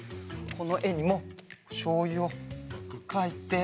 このえにもしょうゆをかいて。